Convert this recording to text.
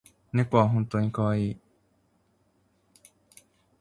猫は本当にかわいい